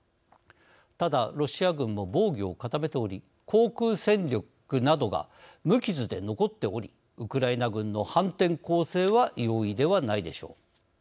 ただロシア軍も防御を固めており航空戦力などが無傷で残っておりウクライナ軍の反転攻勢は容易ではないでしょう。